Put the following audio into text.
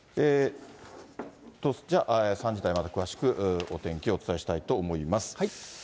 じゃあ、３時台また詳しくお天気をお伝えしたいと思います。